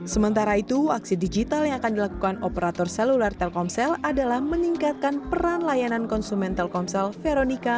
sementara itu aksi digital yang akan dilakukan operator seluler telkomsel adalah meningkatkan peran layanan konsumen telkomsel veronica